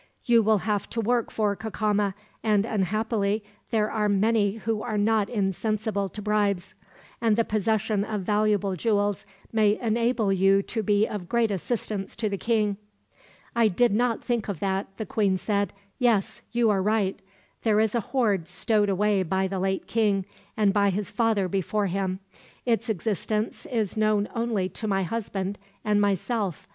You will have to work for Cacama, and unhappily there are many who are not insensible to bribes; and the possession of valuable jewels may enable you to be of great assistance to the king." "I did not think of that," the queen said. "Yes, you are right. There is a hoard stowed away by the late king, and by his father before him. Its existence is only known to my husband and myself.